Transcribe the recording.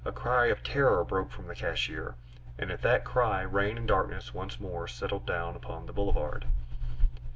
A cry of terror broke from the cashier, and at that cry rain and darkness once more settled down upon the Boulevard.